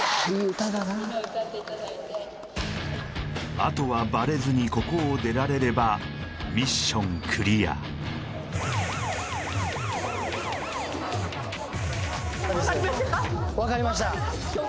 あとはバレずにここを出られればミッションクリアああ